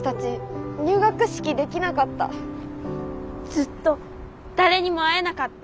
ずっと誰にも会えなかった。